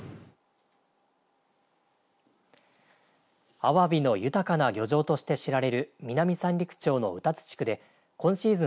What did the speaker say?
アワビの豊かな漁場として知られる南三陸町の歌津地区で今シーズン